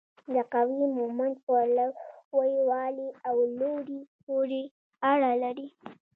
د قوې مومنت په لوی والي او لوري پورې اړه لري.